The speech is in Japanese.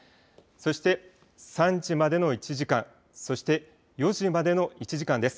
そして３時までの１時間そして４時までの１時間です。